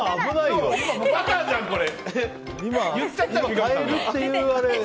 バターじゃん、これ。